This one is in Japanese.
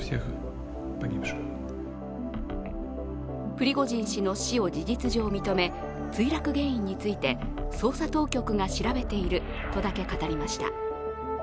プリゴジン氏の死を事実上認め墜落原因について捜査当局が調べているとだけ語りました。